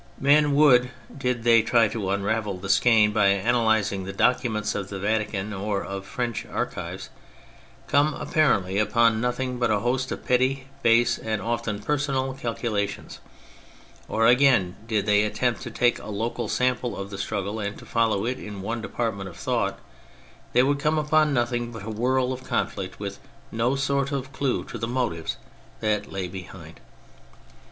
Men would, did they try to unravel the skein by analysing the documents of the Vatican or of the French archives, come apparently upon nothing but a host of petty, base, and often personal calculations ; or again, did they attempt to take a local sample of the struggle and to follow it in one department of thought, they would come upon nothing but a whirl of conflict with no sort of clue to the motives that lay behind.